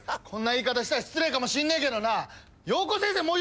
こんな言い方したら失礼かもしんねえけどなヨウコ先生